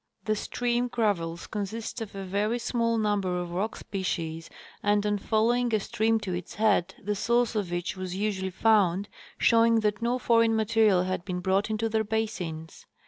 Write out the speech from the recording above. The stream gravels consist of a very small number of rock species, and on following a stream to its head the source of each was usually found, showing that no foreign material had been brought into their basine.